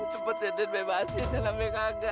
cepet ya den bebasin ya sampai kagak